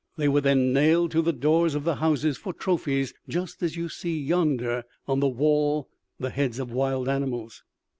They were then nailed to the doors of the houses for trophies, just as you see yonder on the wall the heads of wild animals."